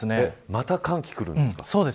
また、寒気くるんですか。